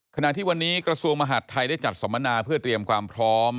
ขณะที่วันนี้กระทรวงมหาดไทยได้จัดสัมมนาเพื่อเตรียมความพร้อม